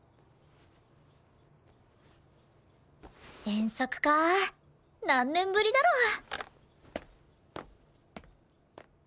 遠足か何年ぶりだろう。